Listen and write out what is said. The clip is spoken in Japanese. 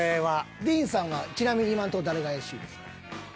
ディーンさんはちなみに今んとこ誰が怪しいですか？